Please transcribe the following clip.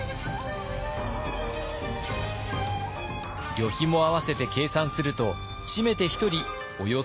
旅費も合わせて計算すると締めて１人およそ８両。